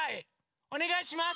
おねがいします。